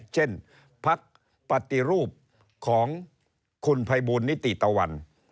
เช่นพักปฏิรูปของคุณภัยบูลนิติตะวัน